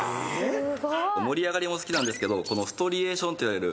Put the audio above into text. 盛り上がりも好きなんですけどストリエーションといわれる。